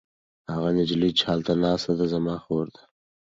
هغه نجلۍ چې هلته ناسته ده زما خور ده.